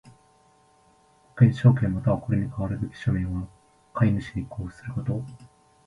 保険証券又はこれに代わるべき書面を買主に交付すること。